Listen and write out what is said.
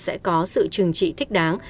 sẽ có sự trừng trị thích đáng